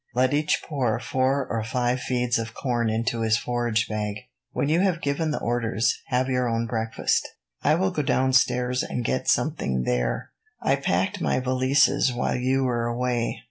Let each pour four or five feeds of corn into his forage bag. "When you have given the orders, have your own breakfast. I will go downstairs and get something there. I packed my valises while you were away."